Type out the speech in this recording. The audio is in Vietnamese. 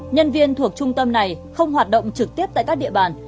nhân viên thuộc trung tâm này không hoạt động trực tiếp tại các địa bàn